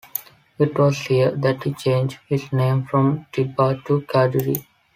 It was here that he changed his name from Diba to Kaduri.